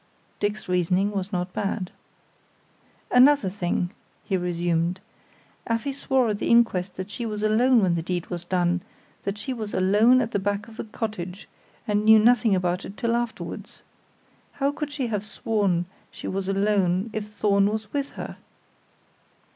Dick's reasoning was not bad. "Another thing," he resumed. "Afy swore at the inquest that she was alone when the deed was done; that she was alone at the back of the cottage, and knew nothing about it till afterwards. How could she have sworn she was alone, if Thorn was with her?"